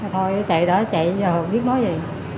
thôi chạy đó chạy vô biết nó gì